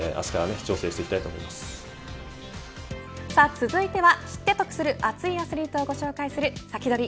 続いては、知って得するアツいアスリートを紹介するサキドリ！